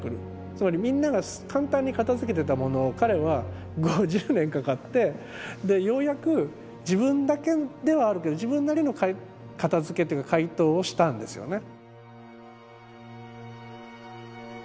つまりみんなが簡単に片づけてたものを彼は５０年かかってでようやく自分だけではあるけど自分なりの片づけという回答をしたんですよね。